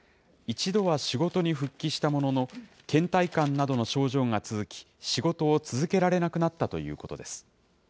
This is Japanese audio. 一度は仕事に復帰したものの、けん怠感などの症状が続き、仕事を続けられなくなったということです。